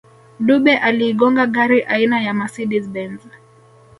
dube aliigonga gari aina ya mercedes benz